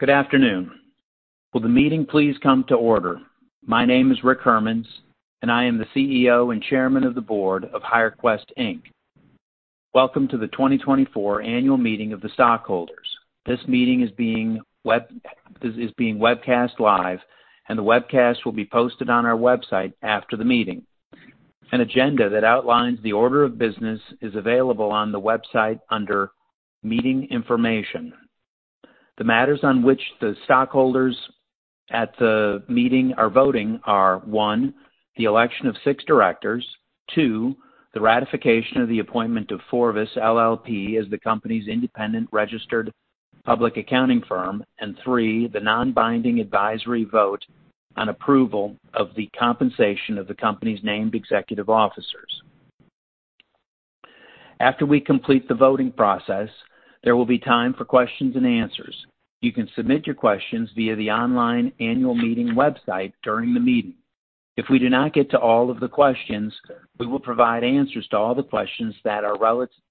Good afternoon. Will the meeting please come to order? My name is Rick Hermanns, and I am the CEO and Chairman of the Board of HireQuest, Inc. Welcome to the 2024 Annual Meeting of the Stockholders. This meeting is being webcast live, and the webcast will be posted on our website after the meeting. An agenda that outlines the order of business is available on the website under Meeting Information. The matters on which the stockholders at the meeting are voting are: 1, the election of six directors; 2, the ratification of the appointment of FORVIS, LLP, as the company's independent registered public accounting firm; and 3, the non-binding advisory vote on approval of the compensation of the company's named executive officers. After we complete the voting process, there will be time for questions and answers. You can submit your questions via the online Annual Meeting website during the meeting. If we do not get to all of the questions, we will provide answers to all the questions that are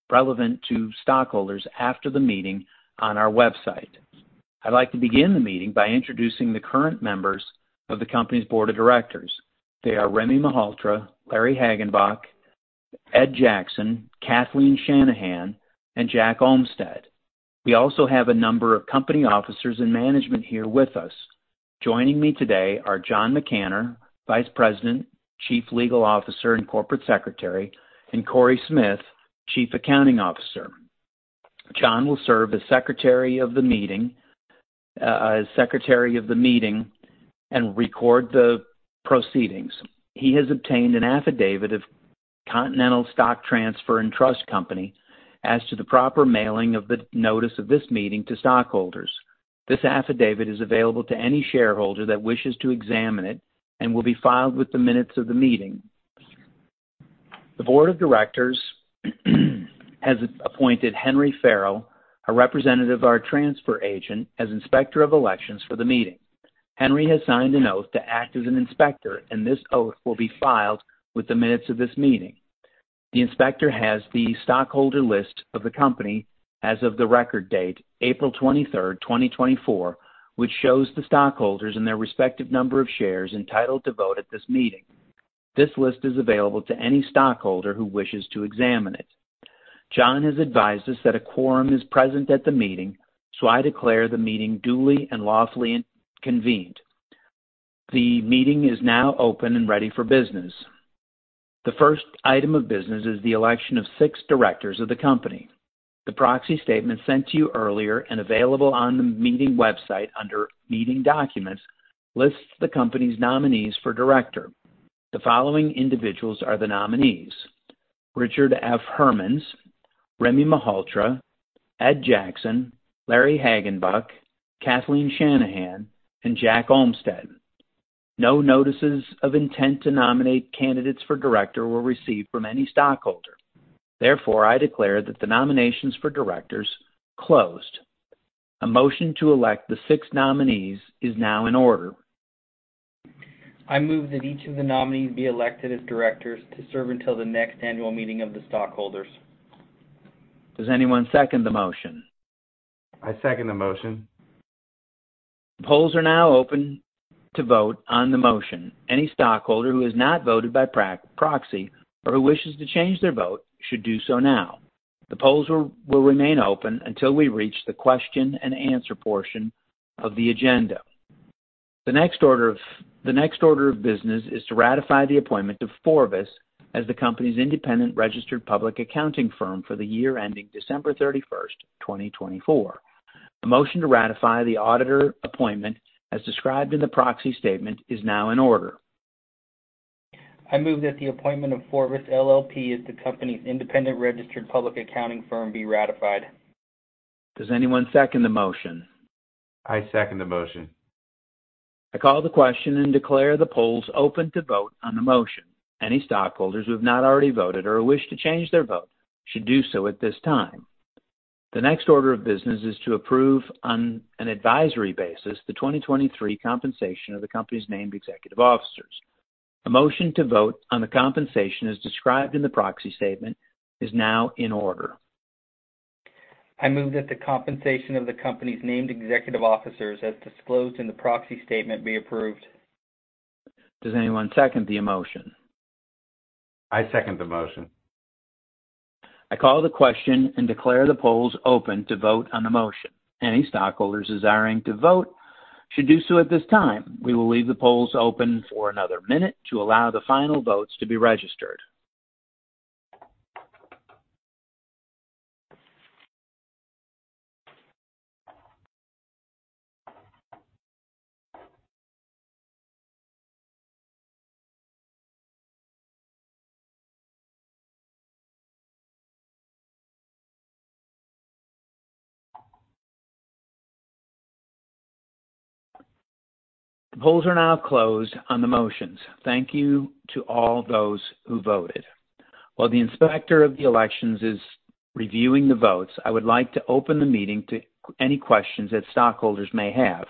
relevant to stockholders after the meeting on our website. I'd like to begin the meeting by introducing the current members of the company's board of directors. They are Rimmy Malhotra, Larry Hagenbuch, Ed Jackson, Kathleen Shanahan, and Jack Olmstead. We also have a number of company officers and management here with us. Joining me today are John McAnnar, Vice President, Chief Legal Officer, and Corporate Secretary, and Cory Smith, Chief Accounting Officer. John will serve as Secretary of the Meeting and record the proceedings. He has obtained an affidavit of Continental Stock Transfer and Trust Company as to the proper mailing of the notice of this meeting to stockholders. This affidavit is available to any shareholder that wishes to examine it and will be filed with the minutes of the meeting. The board of directors has appointed Henry Farrell, a representative of our transfer agent, as Inspector of Elections for the meeting. Henry has signed an oath to act as an inspector, and this oath will be filed with the minutes of this meeting. The inspector has the stockholder list of the company as of the record date, April 23rd, 2024, which shows the stockholders and their respective number of shares entitled to vote at this meeting. This list is available to any stockholder who wishes to examine it. John has advised us that a quorum is present at the meeting, so I declare the meeting duly and lawfully convened. The meeting is now open and ready for business. The first item of business is the election of six directors of the company. The proxy statement sent to you earlier and available on the meeting website under Meeting Documents lists the company's nominees for director. The following individuals are the nominees: Richard F. Hermanns, R. Rimmy Malhotra, Edward Jackson, Lawrence F. Hagenbuch, Kathleen Shanahan, and Jack A. Olmstead. No notices of intent to nominate candidates for director were received from any stockholder. Therefore, I declare that the nominations for directors closed. A motion to elect the six nominees is now in order. I move that each of the nominees be elected as directors to serve until the next Annual Meeting of the Stockholders. Does anyone second the motion? I second the motion. The polls are now open to vote on the motion. Any stockholder who has not voted by proxy or who wishes to change their vote should do so now. The polls will remain open until we reach the question and answer portion of the agenda. The next order of business is to ratify the appointment of FORVIS as the company's independent registered public accounting firm for the year ending December 31st, 2024. A motion to ratify the auditor appointment as described in the proxy statement is now in order. I move that the appointment of FORVIS, LLP, as the company's independent registered public accounting firm be ratified. Does anyone second the motion? I second the motion. I call the question and declare the polls open to vote on the motion. Any stockholders who have not already voted or wish to change their vote should do so at this time. The next order of business is to approve on an advisory basis the 2023 compensation of the company's named executive officers. A motion to vote on the compensation as described in the proxy statement is now in order. I move that the compensation of the company's named executive officers as disclosed in the proxy statement be approved. Does anyone second the motion? I second the motion. I call the question and declare the polls open to vote on the motion. Any stockholders desiring to vote should do so at this time. We will leave the polls open for another minute to allow the final votes to be registered. The polls are now closed on the motions. Thank you to all those who voted. While the Inspector of Elections is reviewing the votes, I would like to open the meeting to any questions that stockholders may have.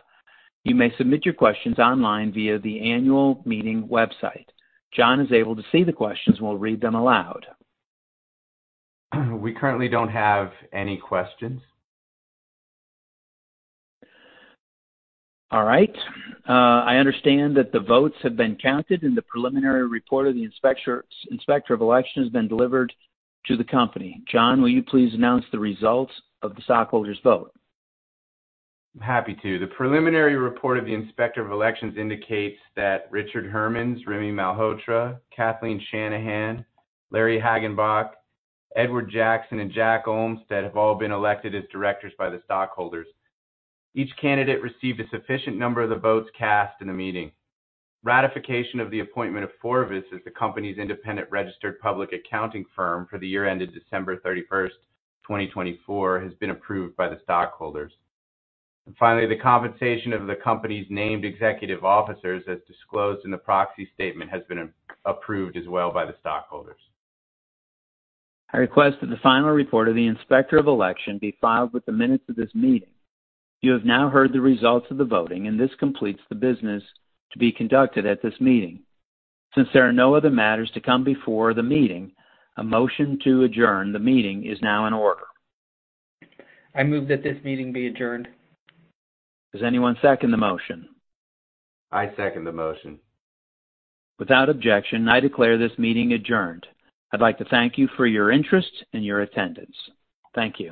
You may submit your questions online via the Annual Meeting website. John is able to see the questions and will read them aloud. We currently don't have any questions. All right. I understand that the votes have been counted and the preliminary report of the Inspector of Elections has been delivered to the company. John, will you please announce the results of the stockholders' vote? I'm happy to. The preliminary report of the inspector of elections indicates that Richard Hermanns, R. Rimmy Malhotra, Kathleen Shanahan, Lawrence F. Hagenbuch, Edward Jackson, and Jack A. Olmstead have all been elected as directors by the stockholders. Each candidate received a sufficient number of the votes cast in the meeting. Ratification of the appointment of FORVIS as the company's independent registered public accounting firm for the year ended December 31st, 2024, has been approved by the stockholders. Finally, the compensation of the company's named executive officers, as disclosed in the proxy statement, has been approved as well by the stockholders. I request that the final report of the inspector of election be filed with the minutes of this meeting. You have now heard the results of the voting, and this completes the business to be conducted at this meeting. Since there are no other matters to come before the meeting, a motion to adjourn the meeting is now in order. I move that this meeting be adjourned. Does anyone second the motion? I second the motion. Without objection, I declare this meeting adjourned. I'd like to thank you for your interest and your attendance. Thank you.